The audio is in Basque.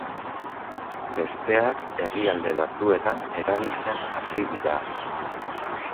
Besteak herrialde batzuetan erabiltzen hasi dira.